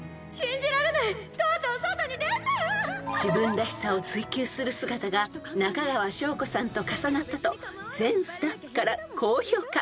［自分らしさを追求する姿が中川翔子さんと重なったと全スタッフから高評価］